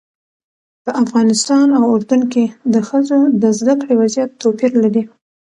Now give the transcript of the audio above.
په افغانستان او اردن کې د ښځو د زده کړې وضعیت توپیر لري.